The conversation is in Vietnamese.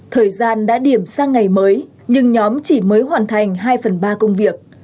thời gian đã điểm sang ngày mới nhưng nhóm chỉ mới hoàn thành hai phần ba công việc